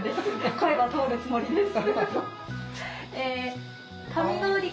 声は通るつもりです。